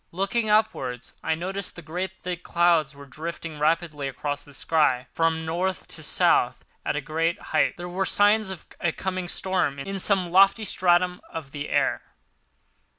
Looking upwards I noticed that great thick clouds were drifting rapidly across the sky from North to South at a great height. There were signs of coming storm in some lofty stratum of the air.